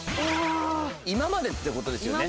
今までってことですよね？